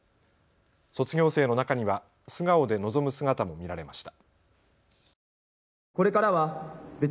卒業生の中には素顔で臨む姿も見られました。